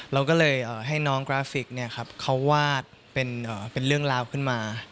เราก็เลยให้น้องกราฟิกเขาวาดเป็นเรื่องราวขึ้นมา